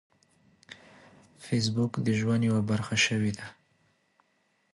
فېسبوک د ژوند یوه برخه شوې ده